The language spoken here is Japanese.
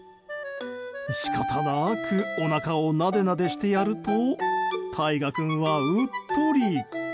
仕方なくおなかをなでなでしてやると大河君は、うっとり。